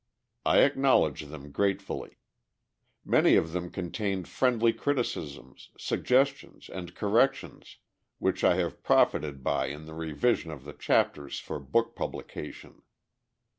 I acknowledge them gratefully. Many of them contained friendly criticisms, suggestions, and corrections, which I have profited by in the revision of the chapters for book publication.